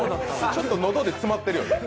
ちょっと喉で詰まってるよね。